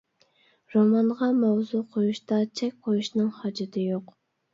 رومانغا ماۋزۇ قويۇشتا چەك قويۇشنىڭ ھاجىتى يوق.